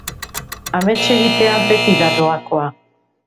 Amets egitea beti da doakoa.